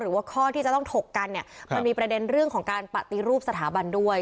หรือว่าข้อที่จะต้องถกกันเนี่ยมันมีประเด็นเรื่องของการปฏิรูปสถาบันด้วย